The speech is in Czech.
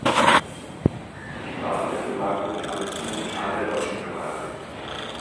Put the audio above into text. Tím pádem nemá kromě Allison žádné další kamarády.